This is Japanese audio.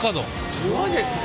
すごいですね！